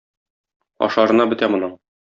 Ашарына бетә моның.